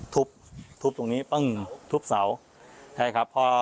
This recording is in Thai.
ทุบตรงนี้ทุบเสา